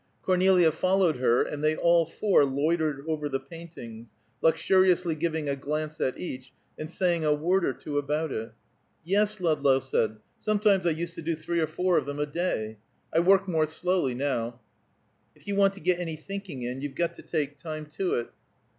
Cornelia followed her, and they all four loitered over the paintings, luxuriously giving a glance at each, and saying a word or two about it. "Yes," Ludlow said, "sometimes I used to do three or four of them a day. I work more slowly now; if you want to get any thinking in, you've got to take time to it."